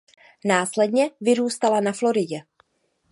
Následně vyrůstala na Floridě.